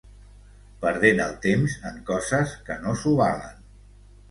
Perdent el temps en coses que no s'ho valen.